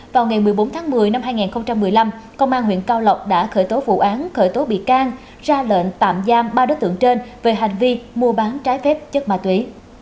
vào ngày một mươi bốn tháng một mươi năm hai nghìn một mươi năm công an huyện cao lộc đã khởi tố vụ án khởi tố bị can ra lệnh tạm giam ba đối tượng trên về hành vi mua bán trái phép chất ma túy